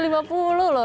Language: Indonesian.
masih lima puluh loh